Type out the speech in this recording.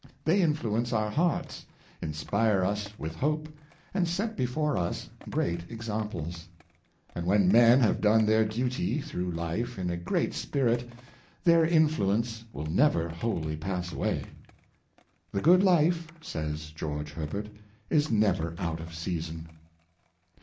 They influence our hearts, inspire us with hope, and set before us great ex amples. And when men have done their duty through life in a great spirit, their influence will never wholly pass away. " The good life," says George Herbert," " is never out of season."